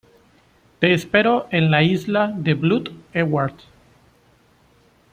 Te espero en la isla de Blood Edward.